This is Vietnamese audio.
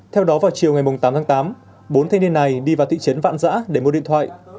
theo đó vào chiều ngày tám tháng tám bốn thanh niên này đi vào thị trấn vạn giã để mua điện thoại